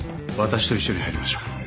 私と一緒に入りましょう。